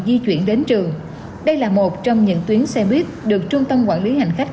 di chuyển đến trường đây là một trong những tuyến xe buýt được trung tâm quản lý hành khách